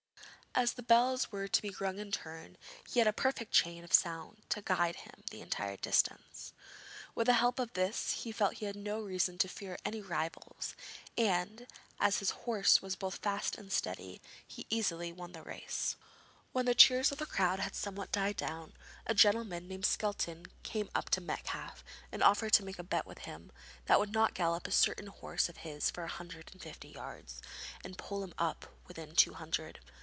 As the bells were to be rung in turn, he had a perfect chain of sound to guide him the entire distance. With the help of this, he felt he had no reason to fear any rivals, and, as his horse was both fast and steady, he easily won the race. When the cheers of the crowd had somewhat died down, a gentleman named Skelton came up to Metcalfe and offered to make a bet with him that he would not gallop a certain horse of his for a hundred and fifty yards, and pull him up within two hundred.